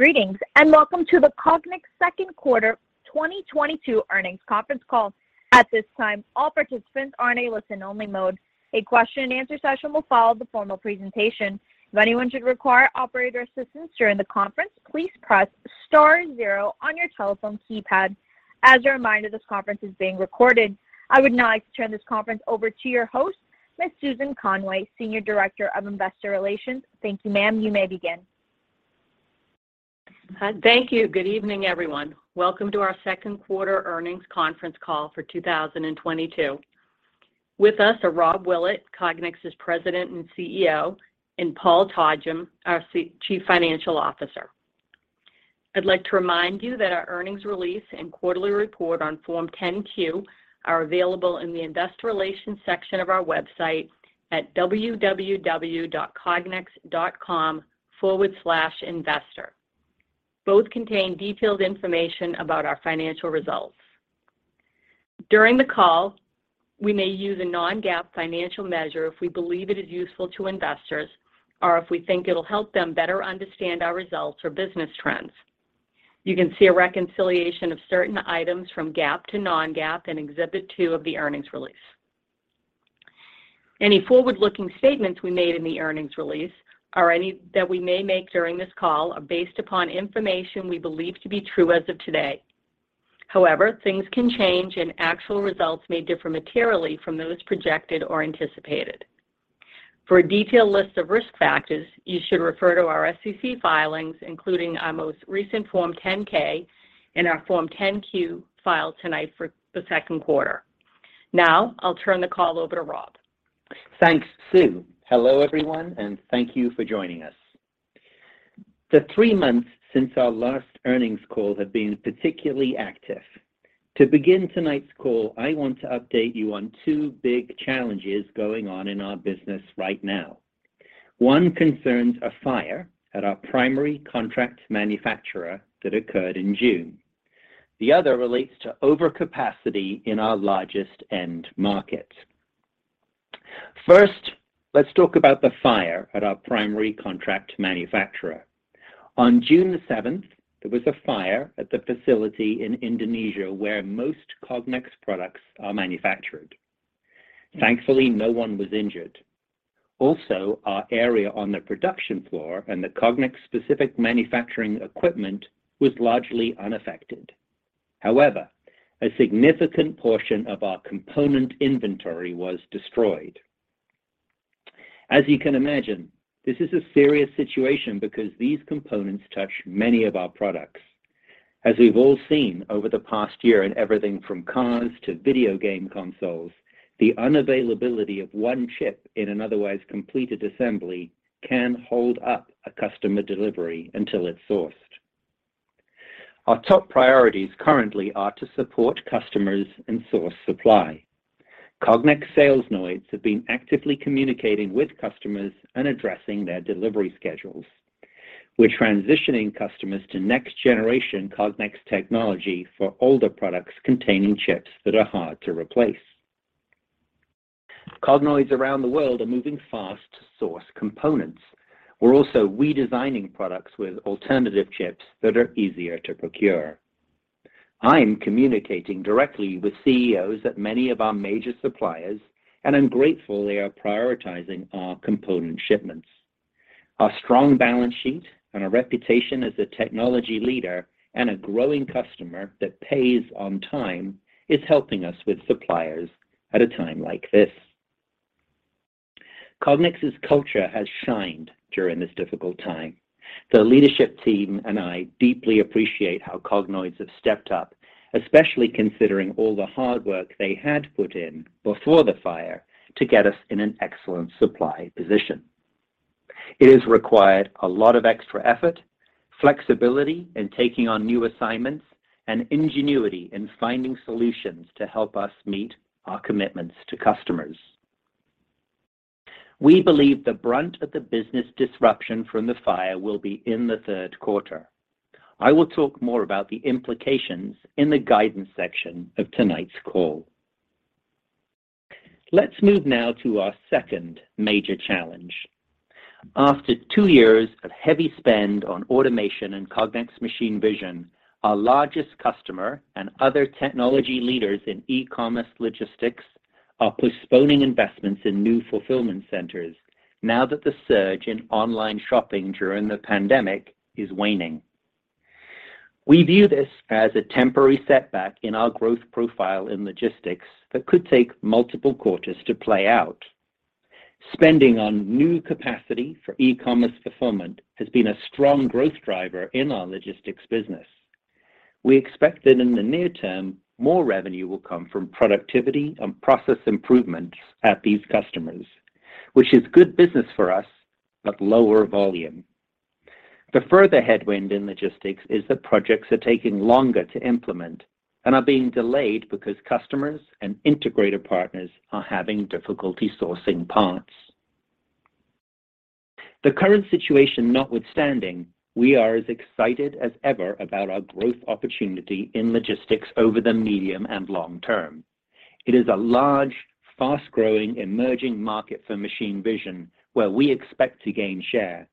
Greetings and welcome to the Cognex Q2 2022 Earnings Conference Call. At this time, all participants are in a listen-only mode. A question and answer session will follow the formal presentation. If anyone should require operator assistance during the conference, please press star zero on your telephone keypad. As a reminder, this conference is being recorded. I would now like to turn this conference over to your host, Ms. Susan Conway, Senior Director of Investor Relations. Thank you, ma'am. You may begin. Thank you. Good evening, everyone. Welcome to our Q2 Earnings Conference Call for 2022. With us are Rob Willett, Cognex's President and CEO, and Paul Todgham, our Chief Financial Officer. I'd like to remind you that our earnings release and quarterly report on Form 10-Q are available in the Investor Relations section of our website at www.cognex.com/investor. Both contain detailed information about our financial results. During the call, we may use a non-GAAP financial measure if we believe it is useful to investors or if we think it'll help them better understand our results or business trends. You can see a reconciliation of certain items from GAAP to non-GAAP in Exhibit 2 of the earnings release. Any forward-looking statements we made in the earnings release or any that we may make during this call are based upon information we believe to be true as of today. However, things can change and actual results may differ materially from those projected or anticipated. For a detailed list of risk factors, you should refer to our SEC filings, including our most recent Form 10-K and our Form 10-Q filed tonight for the Q2. Now, I'll turn the call over to Rob. Thanks, Sue. Hello, everyone, and thank you for joining us. The three months since our last earnings call have been particularly active. To begin tonight's call, I want to update you on two big challenges going on in our business right now. One concerns a fire at our primary contract manufacturer that occurred in June. The other relates to overcapacity in our largest end market. First, let's talk about the fire at our primary contract manufacturer. On June the seventh, there was a fire at the facility in Indonesia where most Cognex products are manufactured. Thankfully, no one was injured. Also, our area on the production floor and the Cognex specific manufacturing equipment was largely unaffected. However, a significant portion of our component inventory was destroyed. As you can imagine, this is a serious situation because these components touch many of our products. As we've all seen over the past year in everything from cars to video game consoles, the unavailability of one chip in an otherwise completed assembly can hold up a customer delivery until it's sourced. Our top priorities currently are to support customers and source supply. Cognex sales nodes have been actively communicating with customers and addressing their delivery schedules. We're transitioning customers to next generation Cognex technology for older products containing chips that are hard to replace. Cognoids around the world are moving fast to source components. We're also redesigning products with alternative chips that are easier to procure. I'm communicating directly with CEOs at many of our major suppliers, and I'm grateful they are prioritizing our component shipments. Our strong balance sheet and our reputation as a technology leader and a growing customer that pays on time is helping us with suppliers at a time like this. Cognex's culture has shined during this difficult time. The leadership team and I deeply appreciate how Cognoids have stepped up, especially considering all the hard work they had put in before the fire to get us in an excellent supply position. It has required a lot of extra effort, flexibility in taking on new assignments, and ingenuity in finding solutions to help us meet our commitments to customers. We believe the brunt of the business disruption from the fire will be in the Q3. I will talk more about the implications in the guidance section of tonight's call. Let's move now to our second major challenge. After two years of heavy spend on automation and Cognex machine vision, our largest customer and other technology leaders in e-commerce logistics are postponing investments in new fulfillment centers now that the surge in online shopping during the pandemic is waning. We view this as a temporary setback in our growth profile in logistics that could take multiple quarters to play out. Spending on new capacity for e-commerce fulfillment has been a strong growth driver in our logistics business. We expect that in the near term, more revenue will come from productivity and process improvements at these customers, which is good business for us, but lower volume. The further headwind in logistics is that projects are taking longer to implement and are being delayed because customers and integrator partners are having difficulty sourcing parts. The current situation notwithstanding, we are as excited as ever about our growth opportunity in logistics over the medium and long term. It is a large, fast-growing, emerging market for machine vision where we expect to gain share.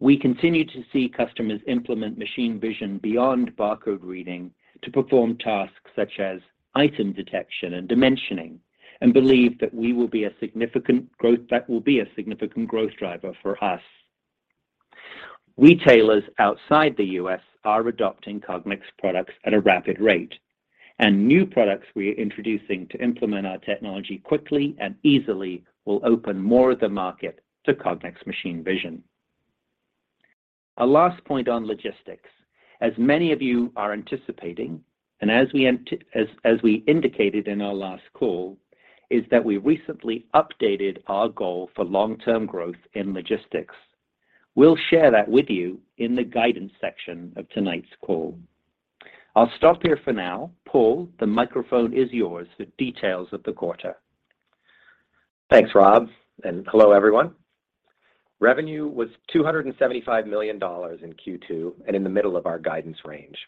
We continue to see customers implement machine vision beyond barcode reading to perform tasks such as item detection and dimensioning and believe that that will be a significant growth driver for us. Retailers outside the U.S. are adopting Cognex products at a rapid rate, and new products we are introducing to implement our technology quickly and easily will open more of the market to Cognex machine vision. A last point on logistics. As many of you are anticipating, and as we indicated in our last call, is that we recently updated our goal for long-term growth in logistics. We'll share that with you in the guidance section of tonight's call. I'll stop here for now. Paul, the microphone is yours for details of the quarter. Thanks, Rob, and hello, everyone. Revenue was $275 million in Q2 and in the middle of our guidance range.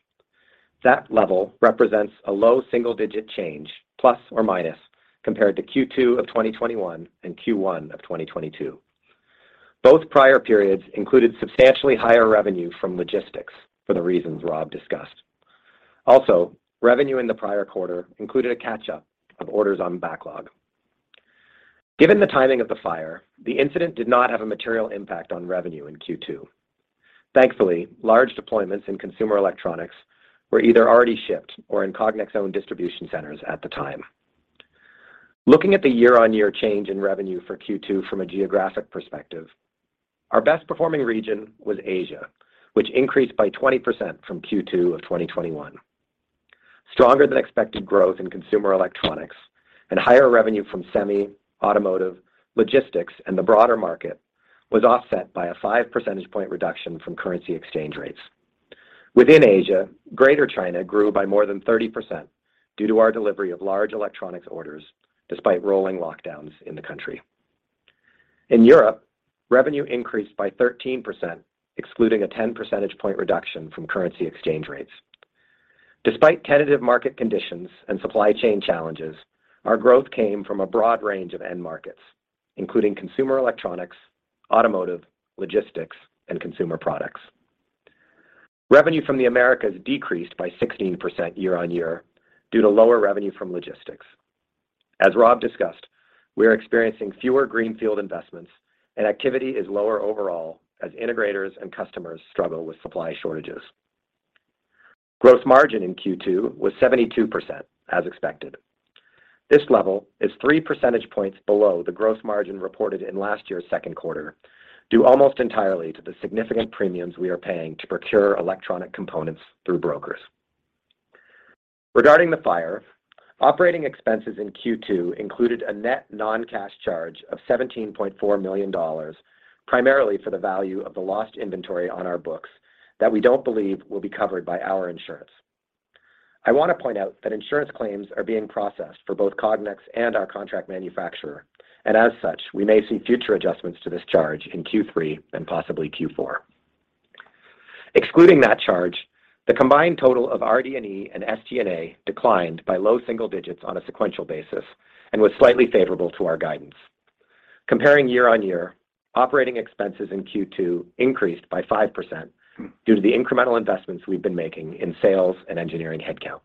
That level represents a low single-digit change, ±, compared to Q2 of 2021 and Q1 of 2022. Both prior periods included substantially higher revenue from logistics for the reasons Rob discussed. Also, revenue in the prior quarter included a catch-up of orders on backlog. Given the timing of the fire, the incident did not have a material impact on revenue in Q2. Thankfully, large deployments in consumer electronics were either already shipped or in Cognex's own distribution centers at the time. Looking at the year-on-year change in revenue for Q2 from a geographic perspective, our best performing region was Asia, which increased by 20% from Q2 of 2021. Stronger than expected growth in consumer electronics and higher revenue from semi, automotive, logistics, and the broader market was offset by a five percentage point reduction from currency exchange rates. Within Asia, Greater China grew by more than 30% due to our delivery of large electronics orders despite rolling lockdowns in the country. In Europe, revenue increased by 13%, excluding a 10 percentage point reduction from currency exchange rates. Despite tentative market conditions and supply chain challenges, our growth came from a broad range of end markets, including consumer electronics, automotive, logistics, and consumer products. Revenue from the Americas decreased by 16% year-on-year due to lower revenue from logistics. As Rob discussed, we are experiencing fewer greenfield investments and activity is lower overall as integrators and customers struggle with supply shortages. Gross margin in Q2 was 72%, as expected. This level is three percentage points below the gross margin reported in last year's Q2, due almost entirely to the significant premiums we are paying to procure electronic components through brokers. Regarding the fire, operating expenses in Q2 included a net non-cash charge of $17.4 million, primarily for the value of the lost inventory on our books that we don't believe will be covered by our insurance. I want to point out that insurance claims are being processed for both Cognex and our contract manufacturer, and as such, we may see future adjustments to this charge in Q3 and possibly Q4. Excluding that charge, the combined total of RD&E and SG&A declined by low single digits on a sequential basis and was slightly favorable to our guidance. Comparing year-on-year, operating expenses in Q2 increased by 5% due to the incremental investments we've been making in sales and engineering headcount.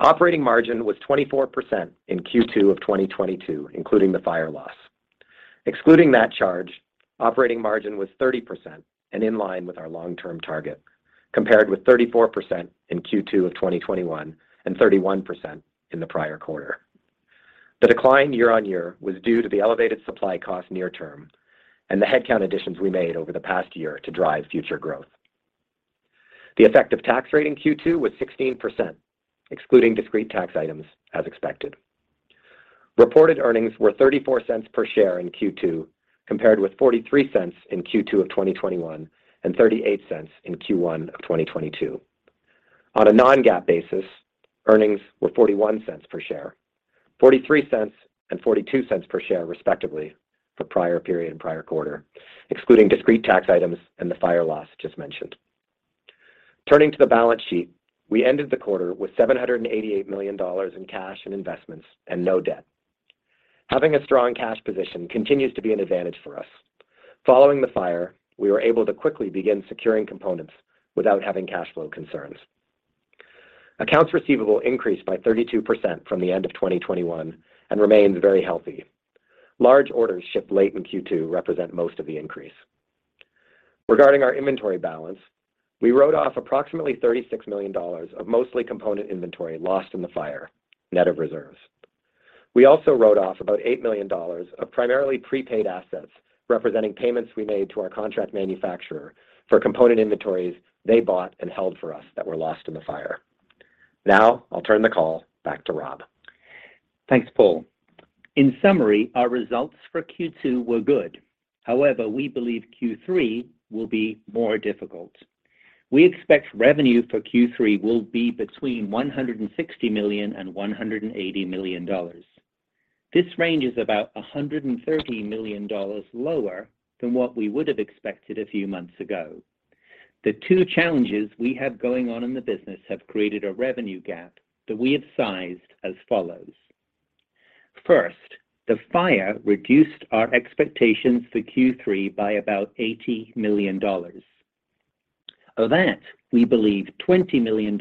Operating margin was 24% in Q2 of 2022, including the fire loss. Excluding that charge, operating margin was 30% and in line with our long-term target, compared with 34% in Q2 of 2021 and 31% in the prior quarter. The decline year-on-year was due to the elevated supply cost near term and the headcount additions we made over the past year to drive future growth. The effective tax rate in Q2 was 16%, excluding discrete tax items as expected. Reported earnings were $0.34 per share in Q2, compared with $0.43 in Q2 of 2021 and $0.38 in Q1 of 2022. On a non-GAAP basis, earnings were $0.41 per share. $0.43 and $0.42 per share, respectively, for prior period and prior quarter, excluding discrete tax items and the fire loss just mentioned. Turning to the balance sheet, we ended the quarter with $788 million in cash and investments and no debt. Having a strong cash position continues to be an advantage for us. Following the fire, we were able to quickly begin securing components without having cash flow concerns. Accounts receivable increased by 32% from the end of 2021 and remains very healthy. Large orders shipped late in Q2 represent most of the increase. Regarding our inventory balance, we wrote off approximately $36 million of mostly component inventory lost in the fire, net of reserves. We also wrote off about $8 million of primarily prepaid assets representing payments we made to our contract manufacturer for component inventories they bought and held for us that were lost in the fire. Now, I'll turn the call back to Rob. Thanks, Paul. In summary, our results for Q2 were good. However, we believe Q3 will be more difficult. We expect revenue for Q3 will be between $160 million and $180 million. This range is about $130 million lower than what we would have expected a few months ago. The two challenges we have going on in the business have created a revenue gap that we have sized as follows. First, the fire reduced our expectations for Q3 by about $80 million. Of that, we believe $20 million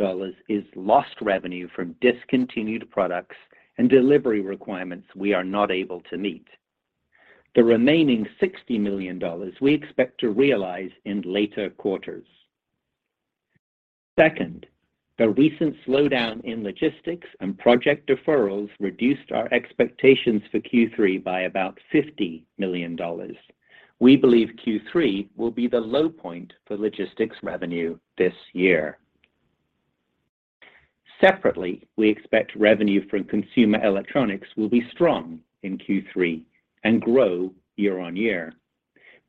is lost revenue from discontinued products and delivery requirements we are not able to meet. The remaining $60 million we expect to realize in later quarters. Second, the recent slowdown in logistics and project deferrals reduced our expectations for Q3 by about $50 million. We believe Q3 will be the low point for logistics revenue this year. Separately, we expect revenue from consumer electronics will be strong in Q3 and grow year-on-year.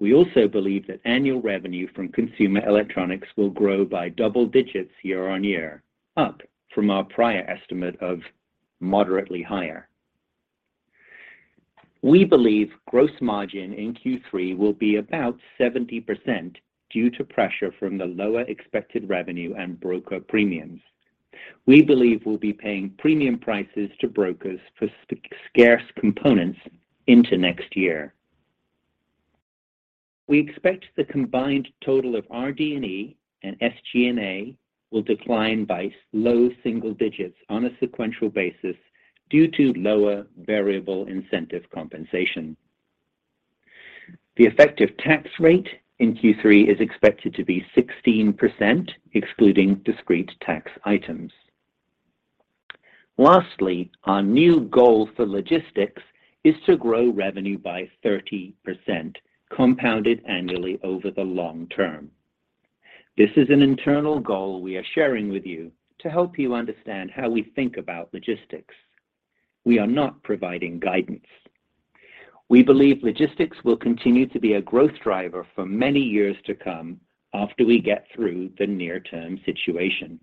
We also believe that annual revenue from consumer electronics will grow by double digits year-on-year, up from our prior estimate of moderately higher. We believe gross margin in Q3 will be about 70% due to pressure from the lower expected revenue and broker premiums. We believe we'll be paying premium prices to brokers for scarce components into next year. We expect the combined total of our RD&E and SG&A will decline by low single digits on a sequential basis due to lower variable incentive compensation. The effective tax rate in Q3 is expected to be 16%, excluding discrete tax items. Lastly, our new goal for logistics is to grow revenue by 30% compounded annually over the long term. This is an internal goal we are sharing with you to help you understand how we think about logistics. We are not providing guidance. We believe logistics will continue to be a growth driver for many years to come after we get through the near-term situation.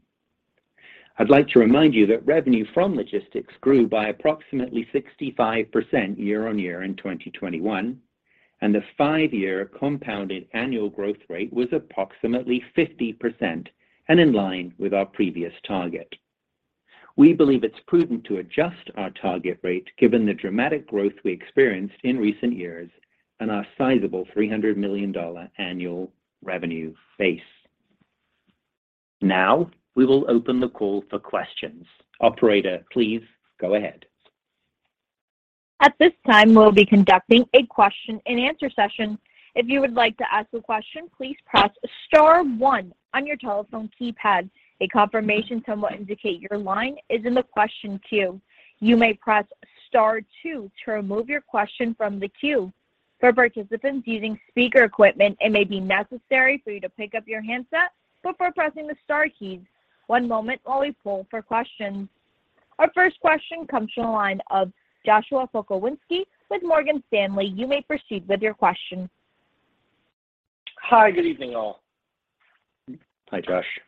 I'd like to remind you that revenue from logistics grew by approximately 65% year-over-year in 2021, and the five-year compounded annual growth rate was approximately 50% and in line with our previous target. We believe it's prudent to adjust our target rate given the dramatic growth we experienced in recent years and our sizable $300 million annual revenue base. Now, we will open the call for questions. Operator, please go ahead. At this time, we'll be conducting a question and answer session. If you would like to ask a question, please press star one on your telephone keypad. A confirmation tone will indicate your line is in the question queue. You may press star two to remove your question from the queue. For participants using speaker equipment, it may be necessary for you to pick up your handset before pressing the star key. One moment while we poll for questions. Our first question comes from the line of Joshua Pokrzywinski with Morgan Stanley. You may proceed with your question. Hi. Good evening, all. Hi, Josh.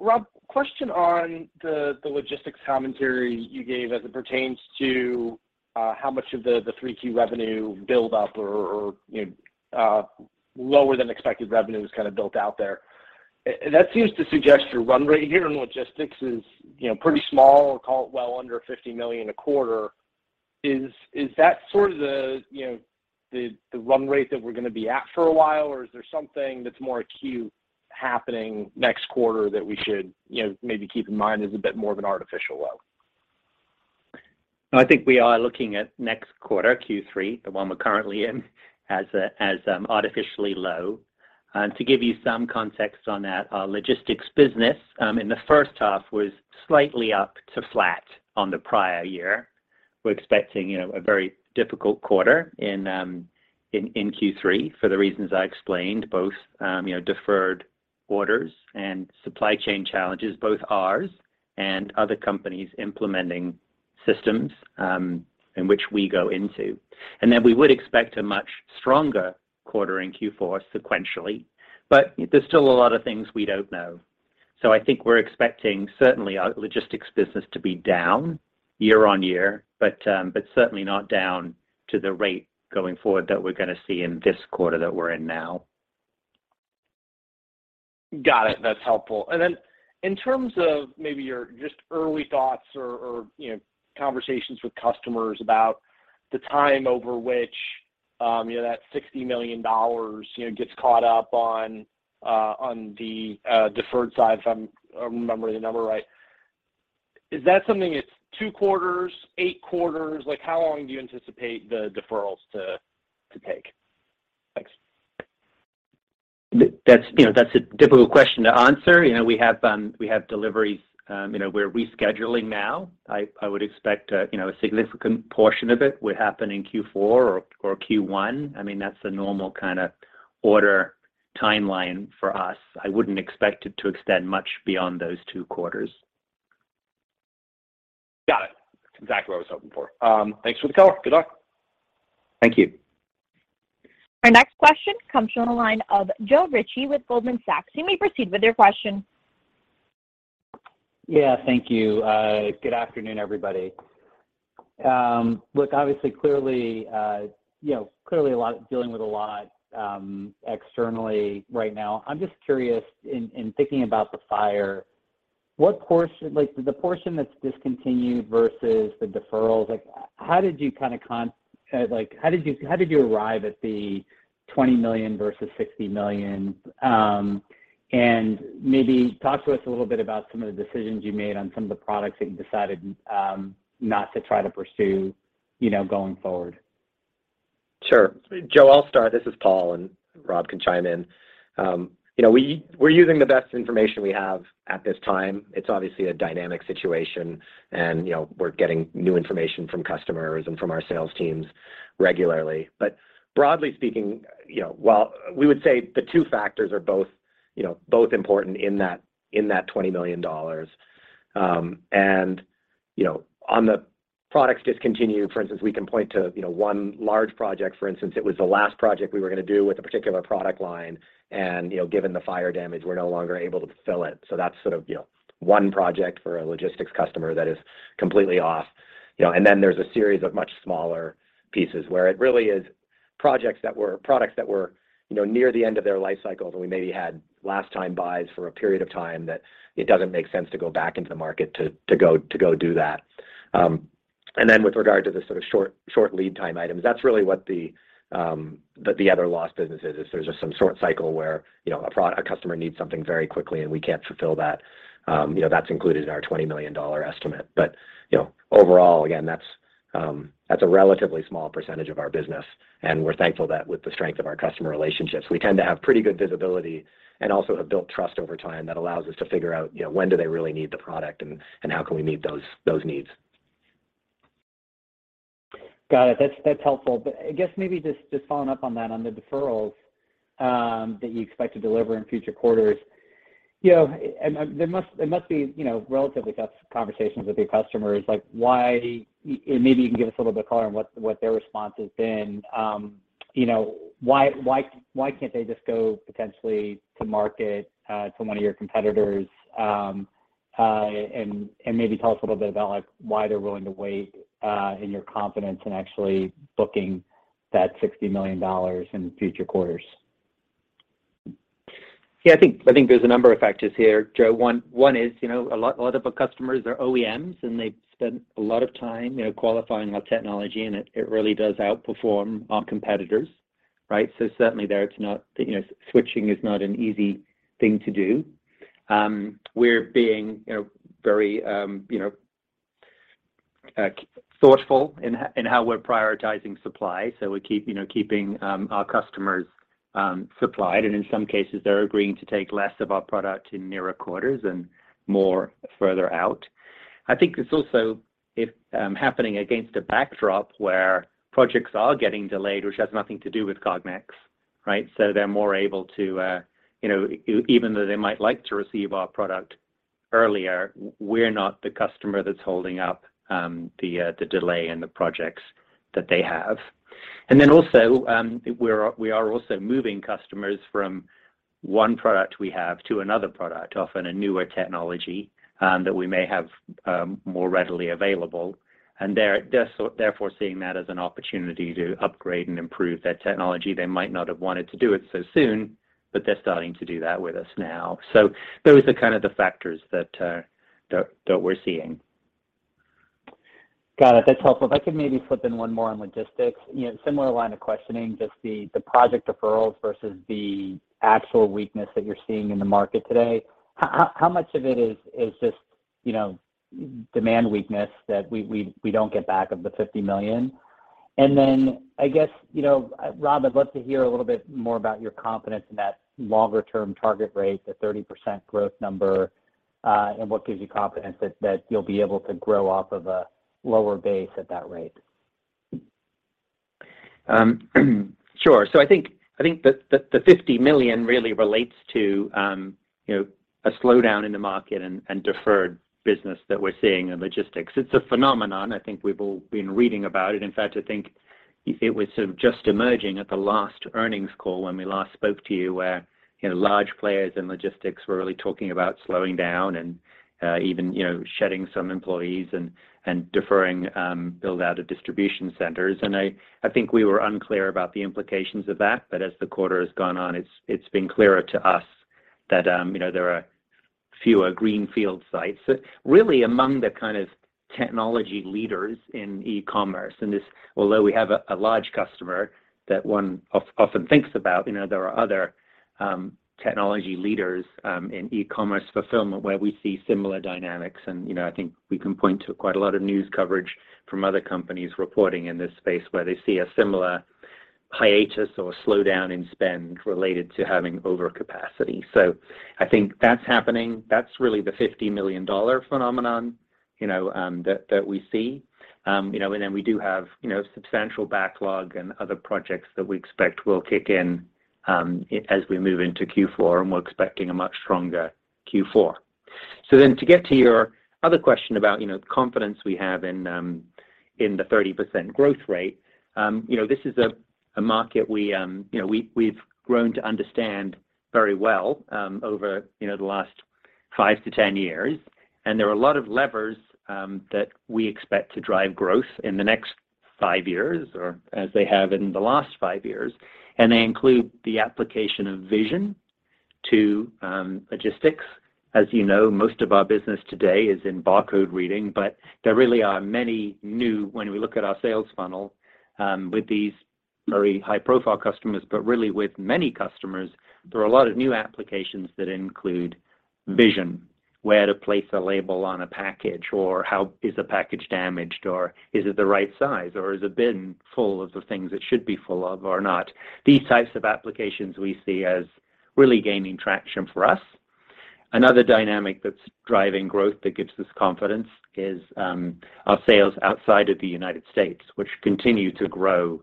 Rob, question on the logistics commentary you gave as it pertains to how much of the three key revenue build up or you know lower than expected revenue is kind of built out there. That seems to suggest your run rate here in logistics is you know pretty small or call it well under $50 million a quarter. Is that sort of the you know the run rate that we're going to be at for a while, or is there something that's more acute happening next quarter that we should you know maybe keep in mind as a bit more of an artificial low? No, I think we are looking at next quarter, Q3, the one we're currently in, as artificially low. To give you some context on that, our logistics business in the H1 was slightly up to flat on the prior year. We're expecting, you know, a very difficult quarter in Q3, for the reasons I explained, both, you know, deferred orders and supply chain challenges, both ours and other companies implementing systems in which we go into. Then we would expect a much stronger quarter in Q4 sequentially. There's still a lot of things we don't know. I think we're expecting certainly our logistics business to be down year-on-year, but certainly not down to the rate going forward that we're going to see in this quarter that we're in now. Got it. That's helpful. In terms of maybe your just early thoughts or you know, conversations with customers about the time over which you know, that $60 million you know, gets caught up on the deferred side, if I'm remembering the number right. Is that something that's two quarters, eight quarters? Like, how long do you anticipate the deferrals to take? Thanks. That's, you know, that's a difficult question to answer. You know, we have deliveries, you know, we're rescheduling now. I would expect a, you know, a significant portion of it would happen in Q4 or Q1. I mean, that's the normal kind of order timeline for us. I wouldn't expect it to extend much beyond those two quarters. Got it. That's exactly what I was hoping for. Thanks for the color. Good luck. Thank you. Our next question comes from the line of Joe Ritchie with Goldman Sachs. You may proceed with your question. Yeah. Thank you. Good afternoon, everybody. Look, obviously, clearly, you know, dealing with a lot externally right now. I'm just curious in thinking about the fire, what portion, like, the portion that's discontinued versus the deferrals, like how did you arrive at the $20 million versus $60 million? Maybe talk to us a little bit about some of the decisions you made on some of the products that you decided not to try to pursue, you know, going forward. Sure. Joe, I'll start. This is Paul, and Rob can chime in. You know, we're using the best information we have at this time. It's obviously a dynamic situation and, you know, we're getting new information from customers and from our sales teams regularly. Broadly speaking, you know, while we would say the two factors are both, you know, both important in that $20 million. You know, on the products discontinued, for instance, we can point to, you know, one large project, for instance. It was the last project we were gonna do with a particular product line, and, you know, given the fire damage, we're no longer able to fulfill it. That's sort of, you know, one project for a logistics customer that is completely off, you know. Then there's a series of much smaller pieces where it really is products that were, you know, near the end of their life cycles, and we maybe had last time buys for a period of time that it doesn't make sense to go back into the market to go do that. With regard to the sort of short lead time items, that's really what the other lost business is, there's just some short cycle where, you know, a customer needs something very quickly, and we can't fulfill that. You know, that's included in our $20 million estimate you know, overall, again, that's a relatively small percentage of our business, and we're thankful that with the strength of our customer relationships, we tend to have pretty good visibility and also have built trust over time that allows us to figure out, you know, when do they really need the product and how can we meet those needs. Got it. That's helpful. I guess maybe just following up on that, on the deferrals that you expect to deliver in future quarters, you know, and there must be, you know, relatively tough conversations with your customers. And maybe you can give us a little bit color on what their response has been. You know, why can't they just go potentially to market to one of your competitors, and maybe tell us a little bit about, like, why they're willing to wait, and your confidence in actually booking that $60 million in future quarters? Yeah, I think there's a number of factors here, Joe. One is, you know, a lot of our customers are OEMs, and they've spent a lot of time, you know, qualifying our technology, and it really does outperform our competitors, right? So certainly there it's not you know, switching is not an easy thing to do. We're being, you know, very thoughtful in how we're prioritizing supply, so we keep our customers supplied. In some cases, they're agreeing to take less of our product in nearer quarters and more further out. I think it's also happening against a backdrop where projects are getting delayed, which has nothing to do with Cognex, right? They're more able to, you know, even though they might like to receive our product earlier, we're not the customer that's holding up the delay in the projects that they have. Also, we are also moving customers from one product we have to another product, often a newer technology, that we may have more readily available. They're therefore seeing that as an opportunity to upgrade and improve their technology. They might not have wanted to do it so soon, but they're starting to do that with us now. Those are kind of the factors that we're seeing. Got it. That's helpful. If I could maybe flip in one more on logistics. You know, similar line of questioning, just the project deferrals versus the actual weakness that you're seeing in the market today. How much of it is just, you know, demand weakness that we don't get back of the $50 million? And then I guess, you know, Rob, I'd love to hear a little bit more about your confidence in that longer term target rate, the 30% growth number, and what gives you confidence that you'll be able to grow off of a lower base at that rate. Sure. I think the $50 million really relates to, you know, a slowdown in the market and deferred business that we're seeing in logistics. It's a phenomenon. I think we've all been reading about it. In fact, I think it was sort of just emerging at the last earnings call when we last spoke to you, where, you know, large players in logistics were really talking about slowing down and, even, you know, shedding some employees and deferring build out of distribution centers. I think we were unclear about the implications of that. As the quarter has gone on, it's been clearer to us that, you know, there are fewer greenfield sites. Really among the kind of technology leaders in e-commerce, and this, although we have a large customer that one often thinks about, you know, there are other technology leaders in e-commerce fulfillment where we see similar dynamics. You know, I think we can point to quite a lot of news coverage from other companies reporting in this space where they see a similar hiatus or slowdown in spend related to having overcapacity. I think that's happening. That's really the $50 million phenomenon, you know, that we see. You know, and then we do have substantial backlog and other projects that we expect will kick in, as we move into Q4, and we're expecting a much stronger Q4. To get to your other question about, you know, the confidence we have in the 30% growth rate, you know, this is a market we've grown to understand very well over you know the last five to 10 years. There are a lot of levers that we expect to drive growth in the next five years or as they have in the last fuve years, and they include the application of vision to logistics. As you know, most of our business today is in barcode reading, but there really are many new when we look at our sales funnel with these very high-profile customers, but really with many customers, there are a lot of new applications that include vision, where to place a label on a package, or how is a package damaged, or is it the right size, or is a bin full of the things it should be full of or not. These types of applications we see as really gaining traction for us. Another dynamic that's driving growth that gives us confidence is our sales outside of the United States, which continue to grow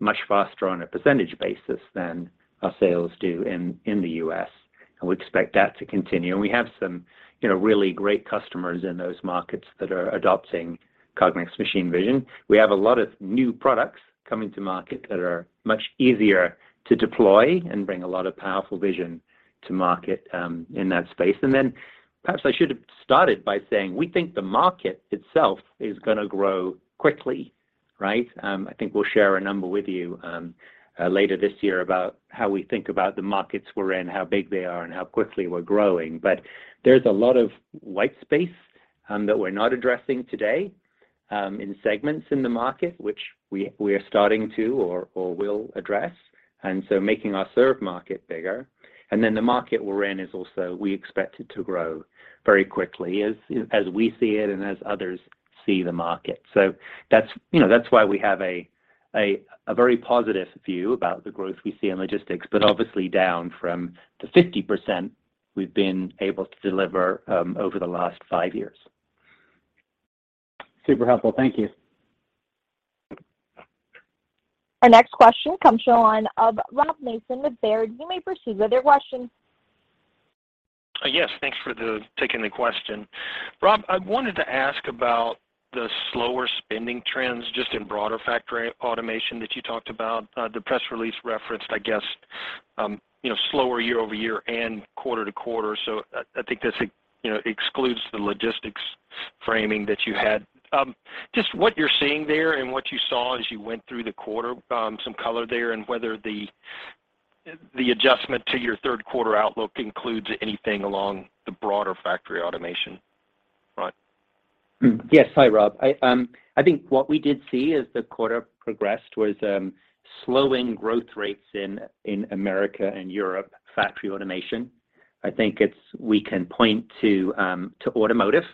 much faster on a percentage basis than our sales do in the U.S., and we expect that to continue. We have some, you know, really great customers in those markets that are adopting Cognex machine vision. We have a lot of new products coming to market that are much easier to deploy and bring a lot of powerful vision to market, in that space. Perhaps I should have started by saying, we think the market itself is gonna grow quickly, right? I think we'll share a number with you, later this year about how we think about the markets we're in, how big they are, and how quickly we're growing. There's a lot of white space, that we're not addressing today, in segments in the market, which we are starting to or will address, and so making our served market bigger. The market we're in is also. We expect it to grow very quickly as we see it and as others see the market. That's, you know, that's why we have a very positive view about the growth we see in logistics, but obviously down from the 50% we've been able to deliver over the last five years. Super helpful. Thank you. Our next question comes to the line of Robert Mason with Baird. You may proceed with your question. Yes. Thanks for taking the question. Rob, I wanted to ask about the slower spending trends just in broader factory automation that you talked about. The press release referenced, I guess, you know, slower year-over-year and quarter-over-quarter. I think this, you know, excludes the logistics framing that you had. Just what you're seeing there and what you saw as you went through the quarter, some color there, and whether the adjustment to your third quarter outlook includes anything along the broader factory automation, Rob. Yes. Hi, Rob. I think what we did see as the quarter progressed was slowing growth rates in America and Europe factory automation. I think we can point to automotive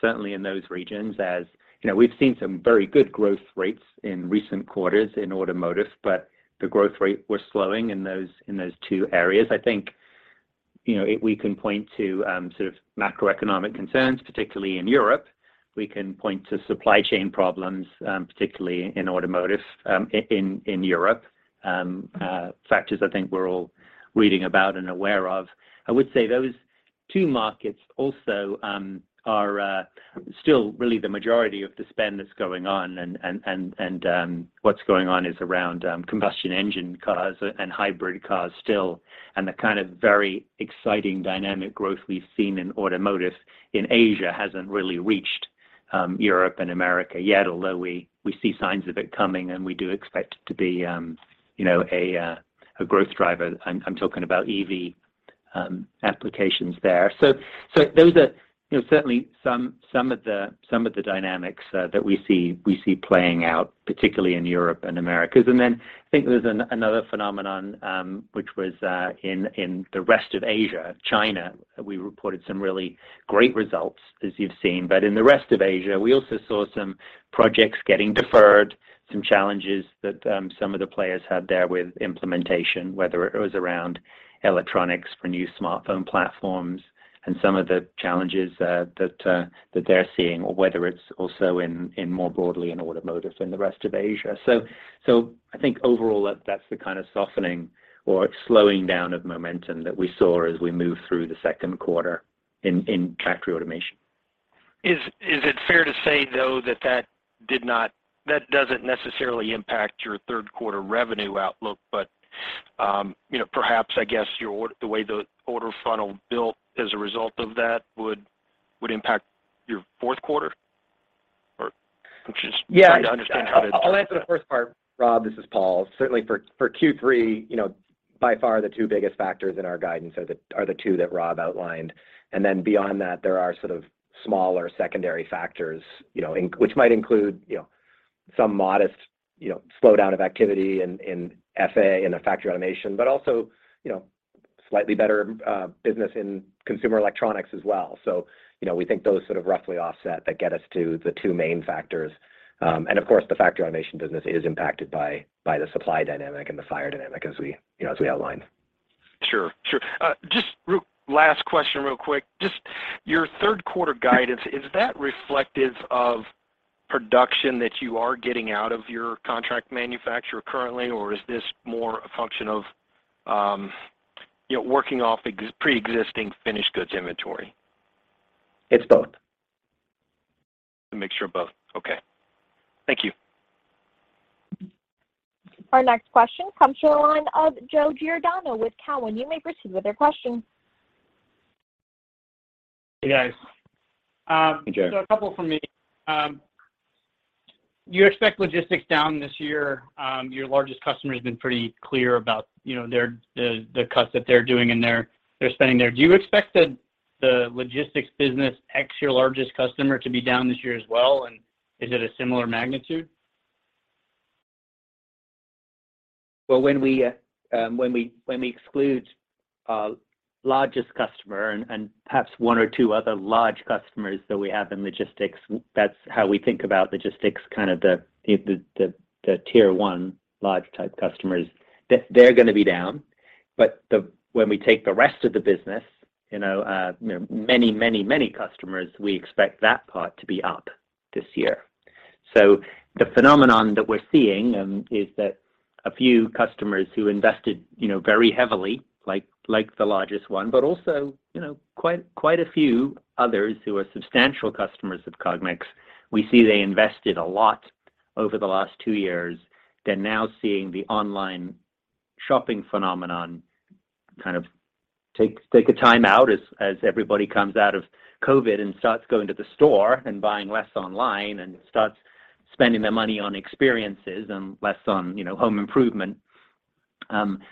certainly in those regions as you know, we've seen some very good growth rates in recent quarters in automotive, but the growth rate was slowing in those two areas. I think you know, we can point to sort of macroeconomic concerns, particularly in Europe. We can point to supply chain problems, particularly in automotive, in Europe, factors I think we're all reading about and aware of. I would say those two markets also are still really the majority of the spend that's going on and what's going on is around combustion engine cars and hybrid cars still, and the kind of very exciting dynamic growth we've seen in automotive in Asia hasn't really reached Europe and America yet, although we see signs of it coming, and we do expect it to be you know a growth driver. I'm talking about EV applications there. So those are you know certainly some of the dynamics that we see playing out, particularly in Europe and America. Then I think there's another phenomenon which was in the rest of Asia, China. We reported some really great results, as you've seen. In the rest of Asia, we also saw some projects getting deferred, some challenges that some of the players had there with implementation, whether it was around electronics for new smartphone platforms and some of the challenges that they're seeing or whether it's also in more broadly in automotive in the rest of Asia. I think overall that's the kind of softening or slowing down of momentum that we saw as we moved through the second quarter in factory automation. Is it fair to say, though, that that doesn't necessarily impact your third quarter revenue outlook, but, you know, perhaps, I guess, your or the way the order funnel built as a result of that would impact your fourth quarter? Or I'm just Yeah. Trying to understand how to- I'll answer the first part, Rob. This is Paul. Certainly for Q3, you know, by far the two biggest factors in our guidance are the two that Rob outlined. Then beyond that, there are sort of smaller secondary factors, you know, which might include, you know, some modest, you know, slowdown of activity in FA, in the factory automation, but also, you know, slightly better business in consumer electronics as well. You know, we think those sort of roughly offset that get us to the two main factors. Of course, the factory automation business is impacted by the supply dynamic and the fire dynamic as we, you know, as we outlined. Sure, just last question real quick. Just your Q3 guidance, is that reflective of production that you are getting out of your contract manufacturer currently, or is this more a function of? You know, working off pre-existing finished goods inventory. It's both. A mixture of both. Okay. Thank you. Our next question comes from the line of Joseph Giordano with TD Cowen. You may proceed with your question. Hey, guys. Hey, Joe. A couple from me. You expect logistics down this year. Your largest customer has been pretty clear about their the cuts that they're doing in their spending there. Do you expect the logistics business, ex your largest customer, to be down this year as well? Is it a similar magnitude? Well, when we exclude largest customer and perhaps one or two other large customers that we have in logistics, that's how we think about logistics, kind of the tier one large type customers. They're gonna be down. When we take the rest of the business, you know, many customers, we expect that part to be up this year. The phenomenon that we're seeing is that a few customers who invested very heavily, like the largest one, but also quite a few others who are substantial customers of Cognex, we see they invested a lot over the last two years. They're now seeing the online shopping phenomenon kind of take a time out as everybody comes out of COVID and starts going to the store and buying less online and starts spending their money on experiences and less on, you know, home improvement.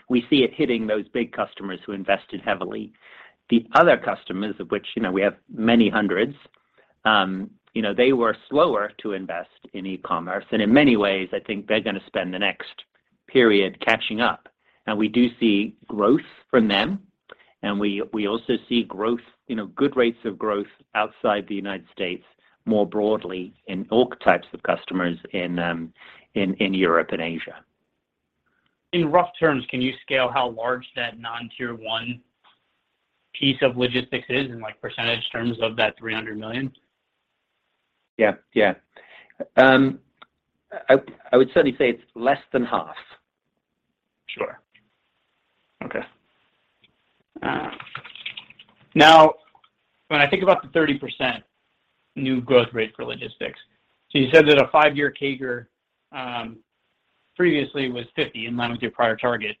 We see it hitting those big customers who invested heavily. The other customers, of which, you know, we have many hundreds, you know, they were slower to invest in e-commerce. In many ways, I think they're gonna spend the next period catching up. We do see growth from them. We also see growth, you know, good rates of growth outside the United States, more broadly in all types of customers in Europe and Asia. In rough terms, can you scale how large that non-tier one piece of logistics is in, like, percentage terms of that $300 million? Yeah. I would certainly say it's less than half. Sure. Okay. Now when I think about the 30% new growth rate for logistics, so you said that a five-year CAGR previously was 50 in line with your prior target.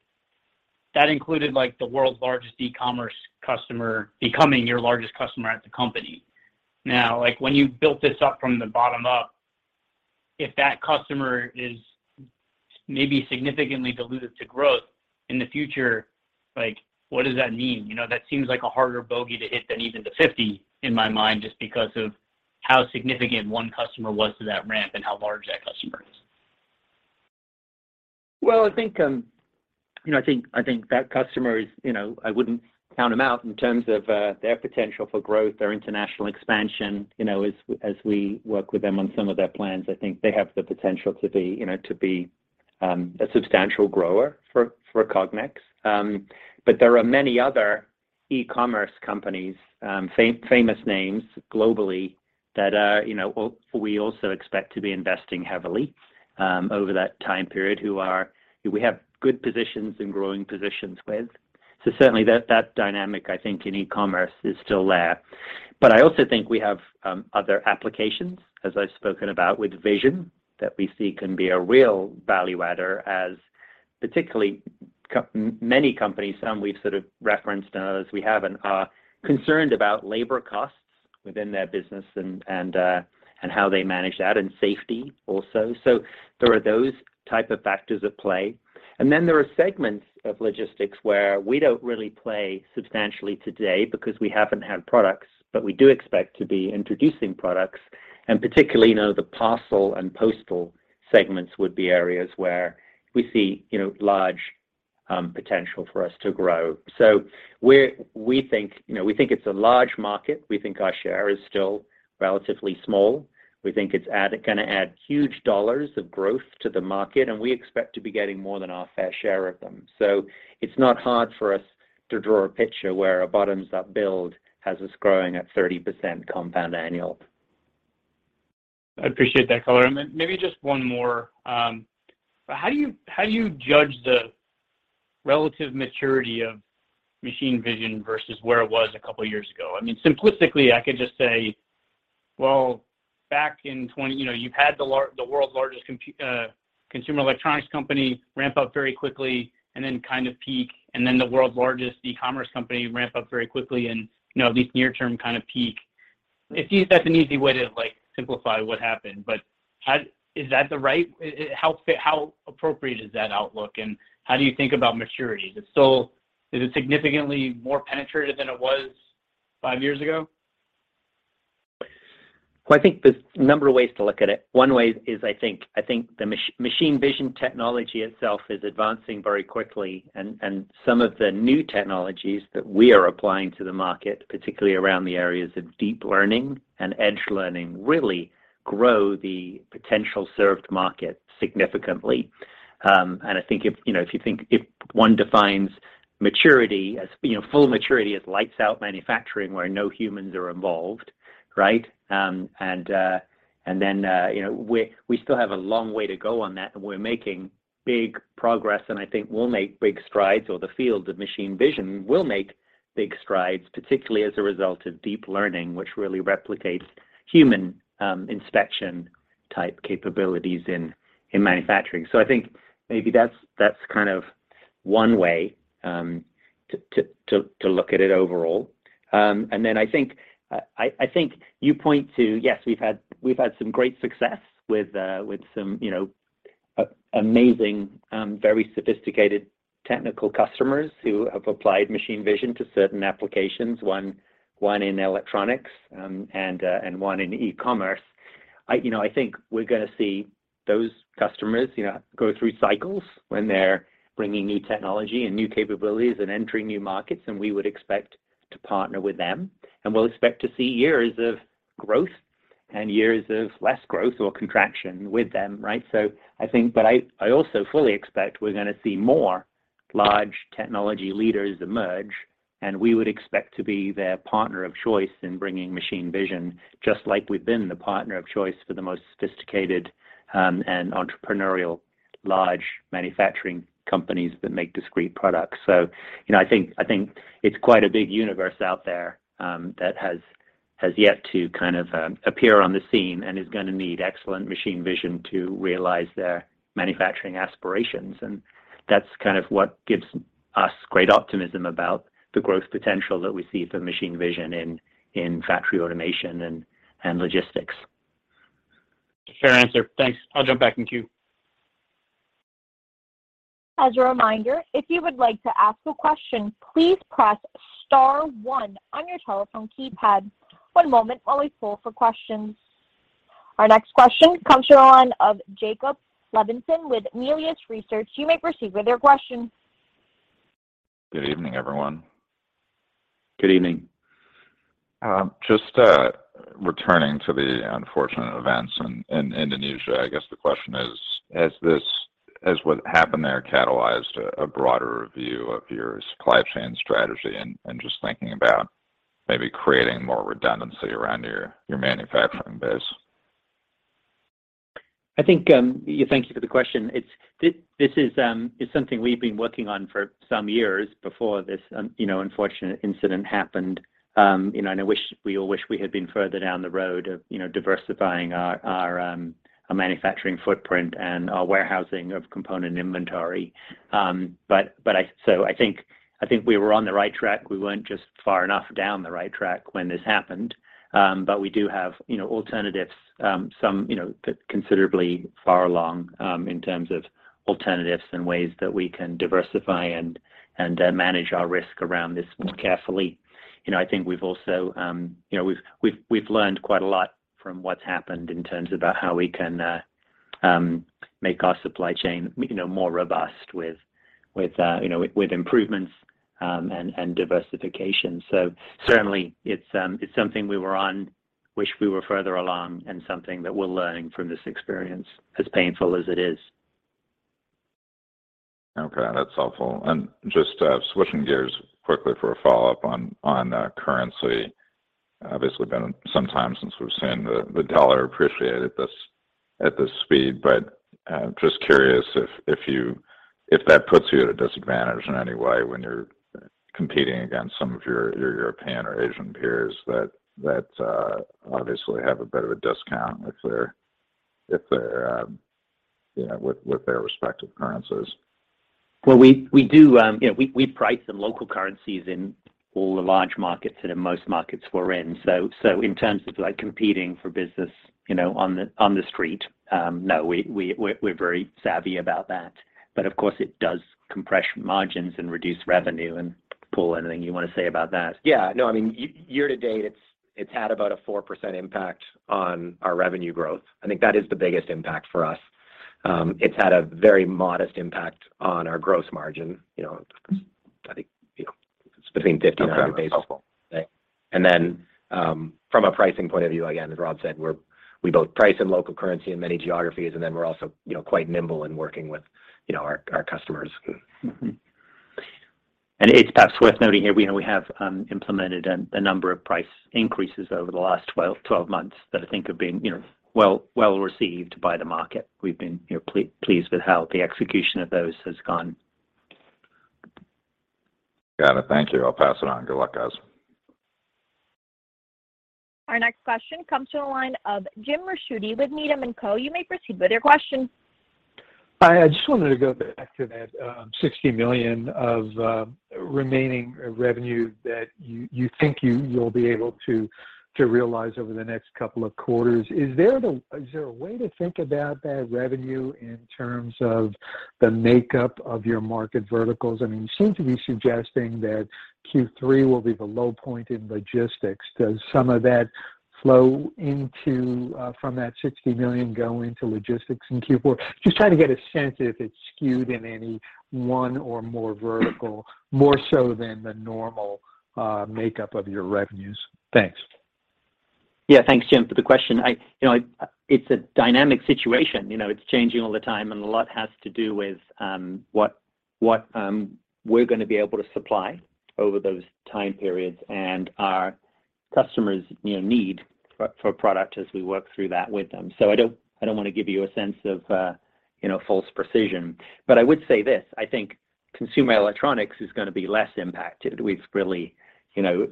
That included, like, the world's largest e-commerce customer becoming your largest customer at the company. Now, like, when you built this up from the bottom up, if that customer is maybe significantly dilutive to growth in the future, like, what does that mean? You know, that seems like a harder bogey to hit than even the 50 in my mind, just because of how significant one customer was to that ramp and how large that customer is. Well, I think, you know, that customer is, you know, I wouldn't count them out in terms of their potential for growth, their international expansion. You know, as we work with them on some of their plans, I think they have the potential to be, you know, a substantial grower for Cognex. But there are many other e-commerce companies, famous names globally that are, you know, we also expect to be investing heavily over that time period, who we have good positions and growing positions with. Certainly that dynamic I think in e-commerce is still there. I also think we have other applications, as I've spoken about, with vision that we see can be a real value adder, as particularly many companies, some we've sort of referenced and others we haven't, are concerned about labor costs within their business and how they manage that, and safety also. There are those type of factors at play. Then there are segments of logistics where we don't really play substantially today because we haven't had products, but we do expect to be introducing products, and particularly, you know, the parcel and postal segments would be areas where we see, you know, large potential for us to grow. We think, you know, we think it's a large market. We think our share is still relatively small. We think it's gonna add huge dollars of growth to the market, and we expect to be getting more than our fair share of them. It's not hard for us to draw a picture where a bottoms-up build has us growing at 30% compound annual. I appreciate that color. Maybe just one more. How do you judge the relative maturity of machine vision versus where it was a couple years ago? I mean, simplistically, I could just say, well, you know, you had the world's largest consumer electronics company ramp up very quickly and then kind of peak, and then the world's largest e-commerce company ramp up very quickly and, you know, at least near term kind of peak. That's an easy way to, like, simplify what happened. How appropriate is that outlook, and how do you think about maturity? Is it significantly more penetrative than it was five years ago? Well, I think there's a number of ways to look at it. One way is I think the machine vision technology itself is advancing very quickly, and some of the new technologies that we are applying to the market, particularly around the areas of deep learning and edge learning, really grow the potential served market significantly. I think if you know, if one defines maturity as you know full maturity as lights out manufacturing, where no humans are involved, right? You know, we still have a long way to go on that, and we're making big progress, and I think we'll make big strides, or the field of machine vision will make big strides, particularly as a result of deep learning, which really replicates human inspection-type capabilities in manufacturing. I think maybe that's one way to look at it overall. I think you point to yes, we've had some great success with some, you know, amazing very sophisticated technical customers who have applied machine vision to certain applications, one in electronics, and one in e-commerce. I think we're gonna see those customers, you know, go through cycles when they're bringing new technology and new capabilities and entering new markets, and we would expect to partner with them. We'll expect to see years of growth and years of less growth or contraction with them, right? I also fully expect we're gonna see more large technology leaders emerge, and we would expect to be their partner of choice in bringing machine vision, just like we've been the partner of choice for the most sophisticated and entrepreneurial large manufacturing companies that make discrete products. You know, I think it's quite a big universe out there that has yet to kind of appear on the scene and is gonna need excellent machine vision to realize their manufacturing aspirations, and that's kind of what gives us great optimism about the growth potential that we see for machine vision in factory automation and logistics. Fair answer. Thanks. I'll jump back in queue. As a reminder, if you would like to ask a question, please press star one on your telephone keypad. One moment while we poll for questions. Our next question comes from the line of Jacob Levinson with Melius Research. You may proceed with your question. Good evening, everyone. Good evening. Just returning to the unfortunate events in Indonesia, I guess the question is, has what happened there catalyzed a broader review of your supply chain strategy and just thinking about maybe creating more redundancy around your manufacturing base? I think, yeah, thank you for the question. This is something we've been working on for some years before this, you know, unfortunate incident happened. You know, we all wish we had been further down the road of, you know, diversifying our manufacturing footprint and our warehousing of component inventory. I think we were on the right track. We weren't just far enough down the right track when this happened. We do have, you know, alternatives, some, you know, considerably far along, in terms of alternatives and ways that we can diversify and manage our risk around this more carefully. You know, I think we've also, you know, we've learned quite a lot from what's happened in terms of how we can make our supply chain, you know, more robust with, you know, with improvements and diversification. Certainly it's something we're on. We wish we were further along, and something that we're learning from this experience, as painful as it is. Okay. That's helpful. Just switching gears quickly for a follow-up on currency. Obviously been some time since we've seen the U.S. dollar appreciated this at this speed, but just curious if that puts you at a disadvantage in any way when you're competing against some of your European or Asian peers that obviously have a bit of a discount, you know, with their respective currencies. Well, we do, you know, we price in local currencies in all the large markets and in most markets we're in. In terms of, like, competing for business, you know, on the street, no, we're very savvy about that. Of course, it does compress margins and reduce revenue. Paul, anything you wanna say about that? Yeah. No, I mean, year to date, it's had about a 4% impact on our revenue growth. I think that is the biggest impact for us. It's had a very modest impact on our gross margin. You know, I think, you know, it's between 50 and 100 basis points. Okay. That's helpful. From a pricing point of view, again, as Rob said, we both price in local currency in many geographies, and then we're also, you know, quite nimble in working with, you know, our customers. It's perhaps worth noting here, you know, we have implemented a number of price increases over the last 12 months that I think have been, you know, well received by the market. We've been, you know, pleased with how the execution of those has gone. Got it. Thank you. I'll pass it on. Good luck, guys. Our next question comes from the line of James Ricchiuti with Needham & Company. You may proceed with your question. Hi. I just wanted to go back to that $60 million of remaining revenue that you think you'll be able to realize over the next couple of quarters. Is there a way to think about that revenue in terms of the makeup of your market verticals? I mean, you seem to be suggesting that Q3 will be the low point in logistics. Does some of that from that $60 million go into logistics in Q4? Just trying to get a sense if it's skewed in any one or more vertical more so than the normal makeup of your revenues. Thanks. Yeah. Thanks, Jim, for the question. You know, it's a dynamic situation. You know, it's changing all the time, and a lot has to do with what we're gonna be able to supply over those time periods and our customers', you know, need for product as we work through that with them. I don't wanna give you a sense of false precision. I would say this, I think consumer electronics is gonna be less impacted. We've really, you know,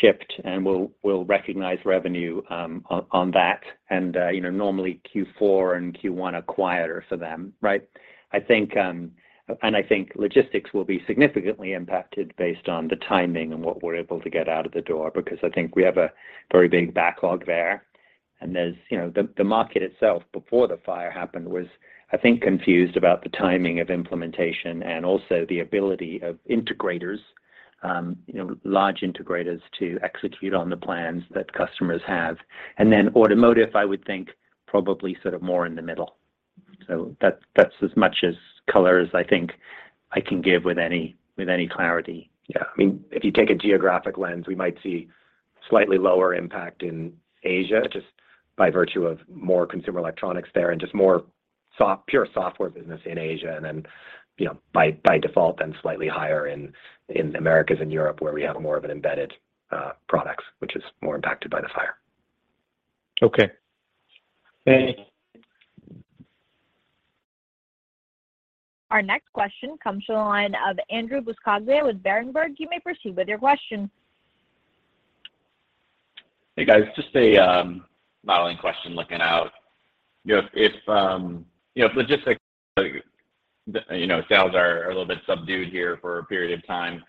shipped and we'll recognize revenue on that. You know, normally Q4 and Q1 are quieter for them, right? I think logistics will be significantly impacted based on the timing and what we're able to get out of the door, because I think we have a very big backlog there. There's, you know, the market itself before the fire happened was, I think, confused about the timing of implementation and also the ability of integrators, you know, large integrators to execute on the plans that customers have. Then automotive, I would think probably sort of more in the middle. That's as much as color as I think I can give with any clarity. Yeah. I mean, if you take a geographic lens, we might see slightly lower impact in Asia, just by virtue of more consumer electronics there and just more software business in Asia. Then, you know, by default, then slightly higher in the Americas and Europe where we have more of an embedded products, which is more impacted by the fire. Okay. Thanks. Our next question comes from the line of Andrew Buscaglia with Berenberg. You may proceed with your question. Hey, guys. Just a modeling question looking out. You know, if logistics, like, you know, sales are a little bit subdued here for a period of time,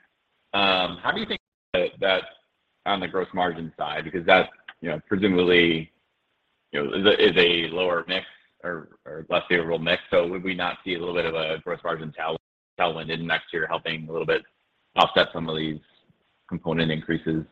how do you think that on the gross margin side? Because that's, you know, presumably, you know, is a lower mix or less favorable mix. Would we not see a little bit of a gross margin tailwind in next year helping a little bit offset some of these component increases?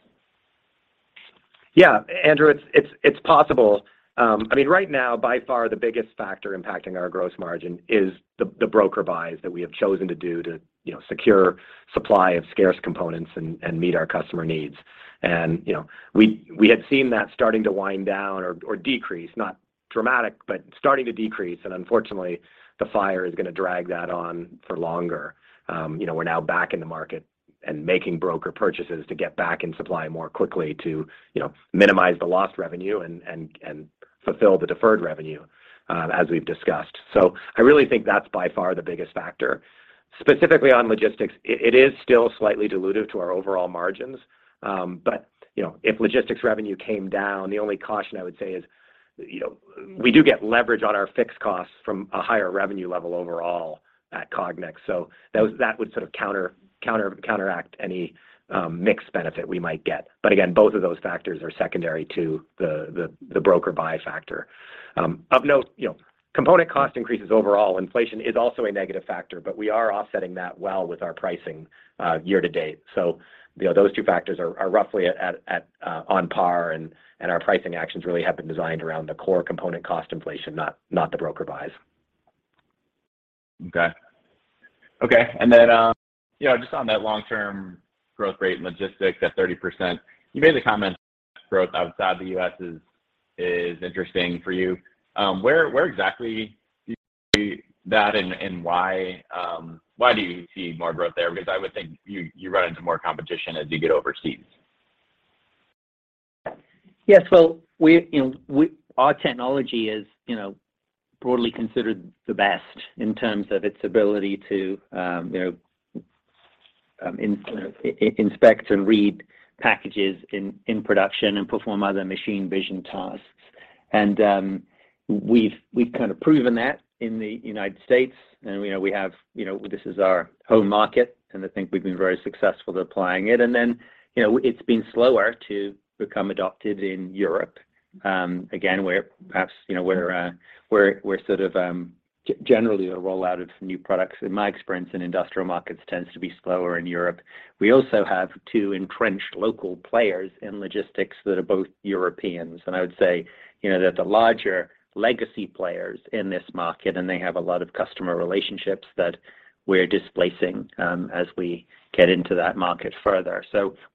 Yeah. Andrew, it's possible. I mean, right now, by far the biggest factor impacting our gross margin is the broker buys that we have chosen to do to you know secure supply of scarce components and meet our customer needs. You know, we had seen that starting to wind down or decrease, not dramatic, but starting to decrease. Unfortunately, the fire is gonna drag that on for longer. You know, we're now back in the market and making broker purchases to get back in supply more quickly to you know minimize the lost revenue and fulfill the deferred revenue, as we've discussed. I really think that's by far the biggest factor. Specifically on logistics, it is still slightly dilutive to our overall margins. You know, if logistics revenue came down, the only caution I would say is, you know, we do get leverage on our fixed costs from a higher revenue level overall at Cognex. That would sort of counteract any mix benefit we might get. Again, both of those factors are secondary to the broker buy factor. Of note, you know, component cost increases. Overall inflation is also a negative factor, but we are offsetting that well with our pricing, year to date. You know, those two factors are roughly on par, and our pricing actions really have been designed around the core component cost inflation, not the broker buys. Okay. You know, just on that long-term growth rate in logistics at 30%, you made the comment growth outside the U.S. is interesting for you. Where exactly do you see that and why do you see more growth there? Because I would think you run into more competition as you get overseas. Yes. Well, we, you know, our technology is, you know, broadly considered the best in terms of its ability to inspect and read packages in production and perform other machine vision tasks. We've kind of proven that in the United States, and, you know, we have, you know, this is our home market, and I think we've been very successful at applying it. It's been slower to become adopted in Europe, again, where perhaps, you know, where sort of generally the rollout of new products, in my experience in industrial markets tends to be slower in Europe. We also have two entrenched local players in logistics that are both Europeans. I would say, you know, they're the larger legacy players in this market, and they have a lot of customer relationships that we're displacing, as we get into that market further.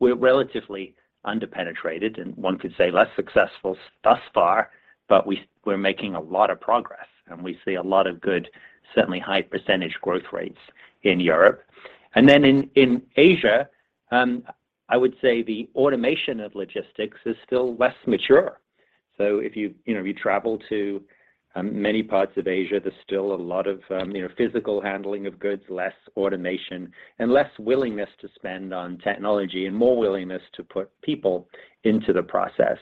We're relatively under-penetrated, and one could say less successful thus far, but we're making a lot of progress, and we see a lot of good, certainly high percentage growth rates in Europe. In Asia, I would say the automation of logistics is still less mature. If you know, you travel to many parts of Asia, there's still a lot of, you know, physical handling of goods, less automation, and less willingness to spend on technology and more willingness to put people into the process.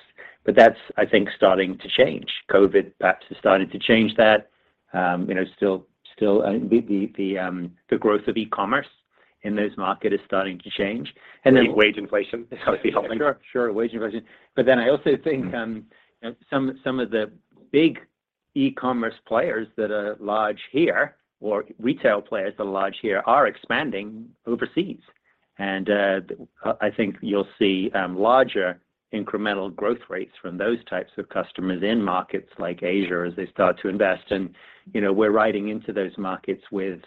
That's, I think, starting to change. COVID perhaps has started to change that. You know, still, I think the growth of e-commerce in those markets is starting to change. Wage inflation is gonna be helping. Sure. Wage inflation. I also think, you know, some of the big e-commerce players that are large here or retail players that are large here are expanding overseas. I think you'll see larger incremental growth rates from those types of customers in markets like Asia as they start to invest. You know, we're riding into those markets with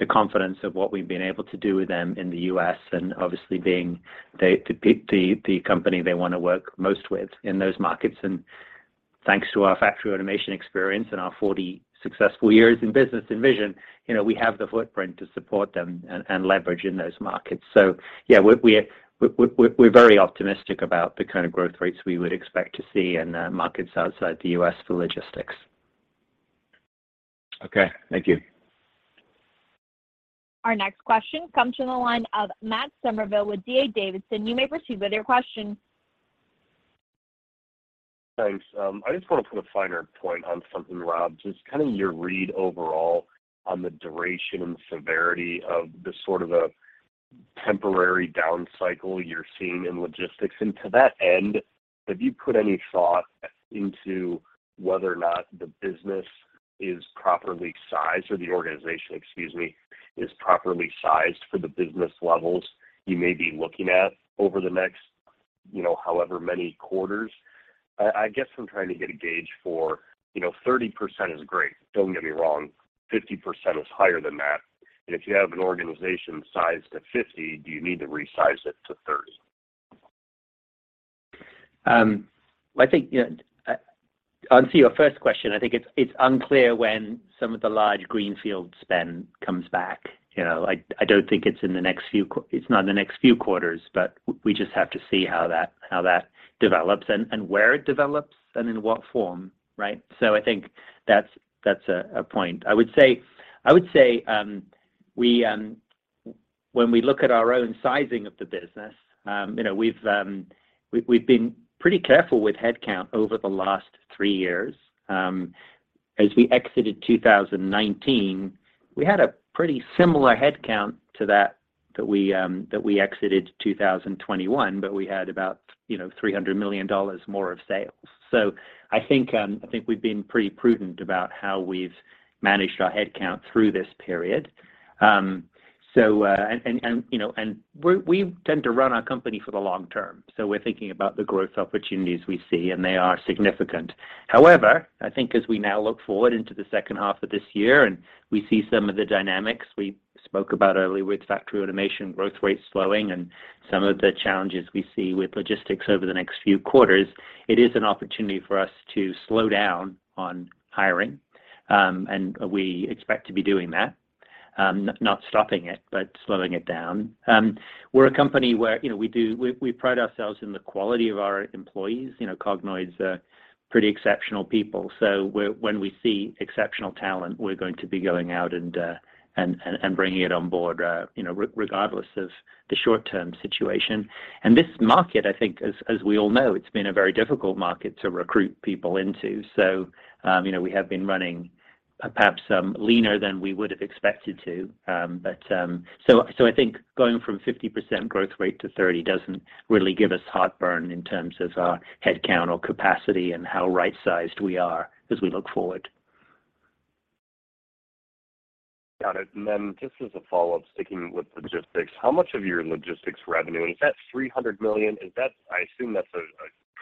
the confidence of what we've been able to do with them in the U.S., and obviously being the company they wanna work most with in those markets. Thanks to our factory automation experience and our 40 successful years in business and vision, you know, we have the footprint to support them and leverage in those markets. Yeah, we're very optimistic about the kind of growth rates we would expect to see in markets outside the U.S. for logistics. Okay. Thank you. Our next question comes from the line of Matt Summerville with D.A. Davidson. You may proceed with your question. Thanks. I just wanna put a finer point on something, Rob. Just kind of your read overall on the duration and severity of the sort of a temporary down cycle you're seeing in logistics. To that end, have you put any thought into whether or not the business is properly sized or the organization, excuse me, is properly sized for the business levels you may be looking at over the next, you know, however many quarters? I guess I'm trying to get a gauge for, you know, 30% is great, don't get me wrong. 50% is higher than that. If you have an organization sized at 50, do you need to resize it to 30? I think, you know, onto your first question, I think it's unclear when some of the large greenfield spend comes back. You know, I don't think it's in the next few quarters, but we just have to see how that develops and where it develops and in what form, right? I think that's a point. I would say, when we look at our own sizing of the business, you know, we've been pretty careful with headcount over the last three years. As we exited 2019, we had a pretty similar headcount to that we exited 2021, but we had about, you know, $300 million more of sales. I think we've been pretty prudent about how we've managed our headcount through this period. You know, we tend to run our company for the long term, so we're thinking about the growth opportunities we see, and they are significant. However, I think as we now look forward into the H2 of this year and we see some of the dynamics we spoke about earlier with factory automation growth rates slowing, and some of the challenges we see with logistics over the next few quarters, it is an opportunity for us to slow down on hiring. We expect to be doing that, not stopping it, but slowing it down. We're a company where, you know, we pride ourselves in the quality of our employees. You know, Cognoids are pretty exceptional people, so when we see exceptional talent, we're going to be going out and bringing it on board, you know, regardless of the short-term situation. This market, I think, as we all know, it's been a very difficult market to recruit people into. You know, we have been running perhaps leaner than we would've expected to. I think going from 50% growth rate to 30% doesn't really give us heartburn in terms of our headcount or capacity and how right-sized we are as we look forward. Got it. Just as a follow-up, sticking with logistics, how much of your logistics revenue, and is that $300 million? I assume that's a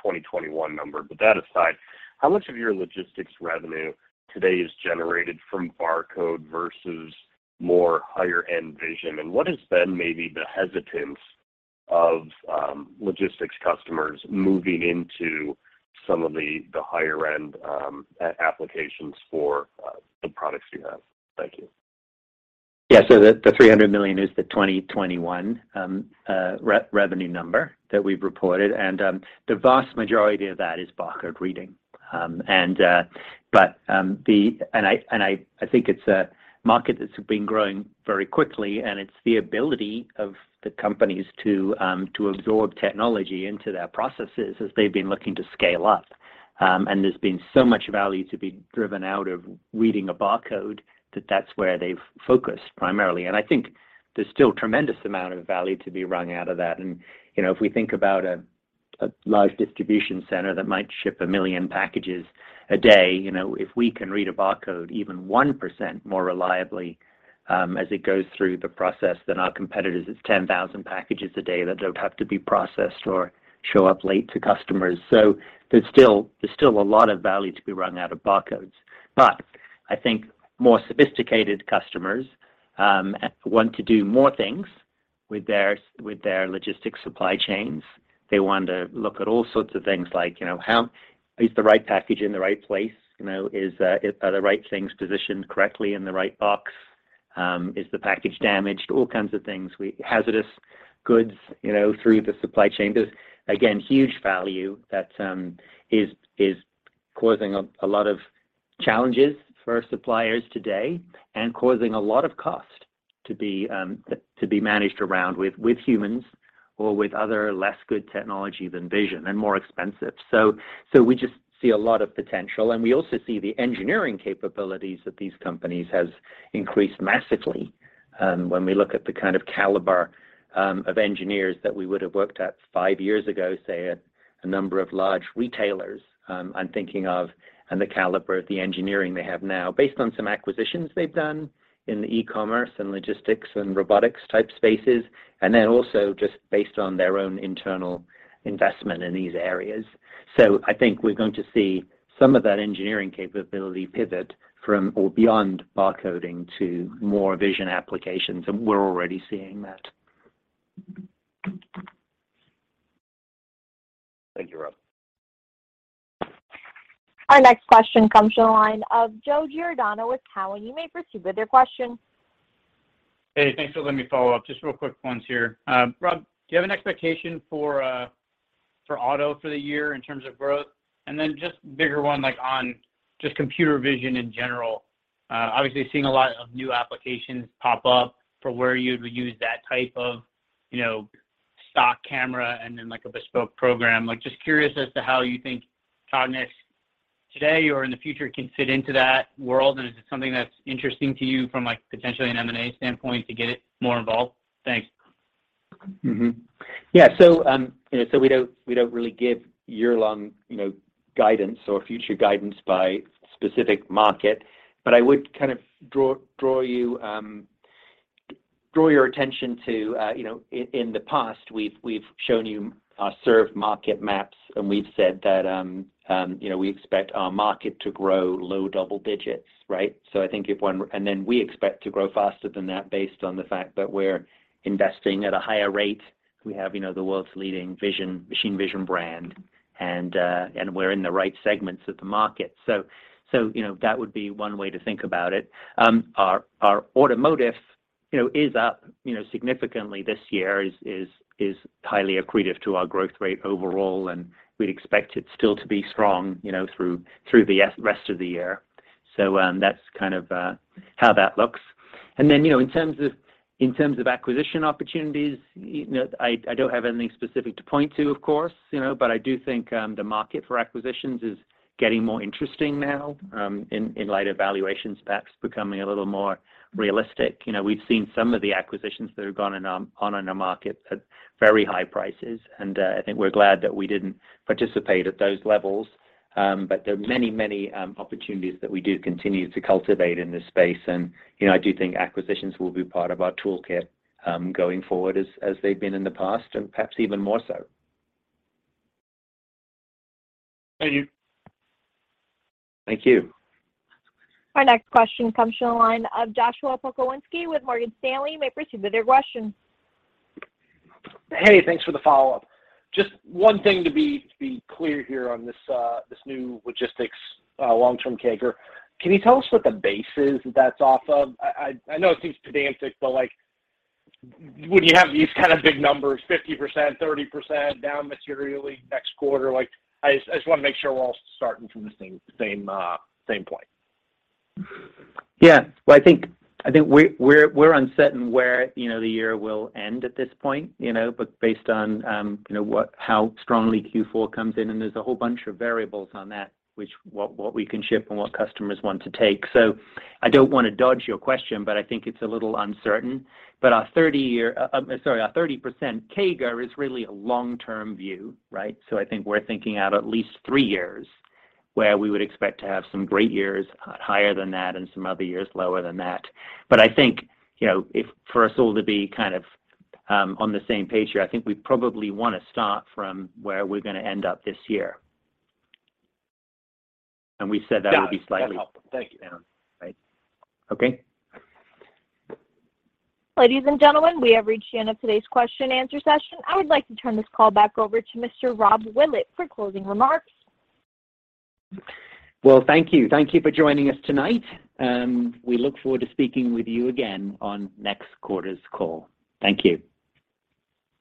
2021 number. But that aside, how much of your logistics revenue today is generated from barcode versus more higher end vision? What has been maybe the hesitance of logistics customers moving into some of the higher end applications for the products you have? Thank you. Yeah. The $300 million is the 2021 revenue number that we've reported. The vast majority of that is barcode reading. But I think it's a market that's been growing very quickly, and it's the ability of the companies to absorb technology into their processes as they've been looking to scale up. There's been so much value to be driven out of reading a barcode that that's where they've focused primarily. I think there's still tremendous amount of value to be wrung out of that. You know, if we think about a large distribution center that might ship one million packages a day, you know, if we can read a barcode even 1% more reliably as it goes through the process than our competitors, it's 10,000 packages a day that don't have to be processed or show up late to customers. There's still a lot of value to be wrung out of barcodes. More sophisticated customers want to do more things with their logistics supply chains. They want to look at all sorts of things like, you know, how is the right package in the right place. You know, are the right things positioned correctly in the right box. Is the package damaged. All kinds of things. Hazardous goods, you know, through the supply chain. There's again huge value that is causing a lot of challenges for suppliers today and causing a lot of cost to be managed around with humans or with other less good technology than vision, and more expensive. We just see a lot of potential, and we also see the engineering capabilities that these companies has increased massively. When we look at the kind of caliber of engineers that we would've worked at five years ago, say, at a number of large retailers, I'm thinking of and the caliber of the engineering they have now based on some acquisitions they've done in the e-commerce and logistics and robotics type spaces, and then also just based on their own internal investment in these areas. I think we're going to see some of that engineering capability pivot from or beyond barcoding to more vision applications, and we're already seeing that. Thank you, Rob. Our next question comes from the line of Joseph Giordano with TD Cowen. You may proceed with your question. Hey, thanks for letting me follow up. Just real quick ones here. Rob, do you have an expectation for auto for the year in terms of growth? Then just bigger one, like, on just computer vision in general. Obviously seeing a lot of new applications pop up for where you'd use that type of, you know, stock camera and then like a bespoke program. Like, just curious as to how you think Cognex today or in the future can fit into that world, and is it something that's interesting to you from like potentially an M&A standpoint to get it more involved? Thanks. Yeah. We don't really give year-long guidance or future guidance by specific market, but I would kind of draw your attention to, you know, in the past, we've shown you served market maps, and we've said that, you know, we expect our market to grow low double digits, right? We expect to grow faster than that based on the fact that we're investing at a higher rate. We have, you know, the world's leading vision, machine vision brand, and we're in the right segments of the market. You know, that would be one way to think about it. Our automotive, you know, is up, you know, significantly this year, is highly accretive to our growth rate overall, and we'd expect it still to be strong, you know, through the rest of the year. That's kind of how that looks. You know, in terms of acquisition opportunities, you know, I don't have anything specific to point to, of course, you know, but I do think the market for acquisitions is getting more interesting now, in light of valuations perhaps becoming a little more realistic. You know, we've seen some of the acquisitions that have gone on in the market at very high prices, and I think we're glad that we didn't participate at those levels. There are many opportunities that we do continue to cultivate in this space. You know, I do think acquisitions will be part of our toolkit, going forward as they've been in the past, and perhaps even more so. Thank you. Thank you. Our next question comes from the line of Joshua Pokrzywinski with Morgan Stanley. You may proceed with your question. Hey, thanks for the follow-up. Just one thing to be clear here on this new logistics long-term CAGR. Can you tell us what the base is that's off of? I know it seems pedantic, but like when you have these kind of big numbers, 50%, 30% down materially next quarter, like I just wanna make sure we're all starting from the same point. Well, I think we're uncertain where, you know, the year will end at this point, you know. Based on you know how strongly Q4 comes in, and there's a whole bunch of variables on that, which, what we can ship and what customers want to take. I don't wanna dodge your question, but I think it's a little uncertain. Our 30% CAGR is really a long-term view, right. I think we're thinking out at least three years, where we would expect to have some great years higher than that and some other years lower than that. I think you know if for us all to be kind of on the same page here, I think we probably wanna start from where we're gonna end up this year. We said that would be slightly. Got it. That's helpful. Thank you. Right. Okay. Ladies and gentlemen, we have reached the end of today's question and answer session. I would like to turn this call back over to Mr. Robert Willett for closing remarks. Well, thank you. Thank you for joining us tonight, and we look forward to speaking with you again on next quarter's call. Thank you.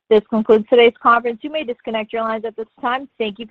This concludes today's conference. You may disconnect your lines at this time. Thank you for.